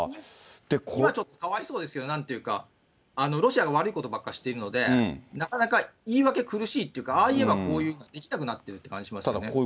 今ちょっとかわいそうですよね、なんていうか、ロシアが悪いことばっかしているので、なかなか言い訳苦しいっていうか、ああ言えばこう言うってできなくなってる感じがしますね。